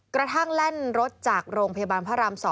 กระทั่งแล่นรถจากโรงพยาบาลพระราม๒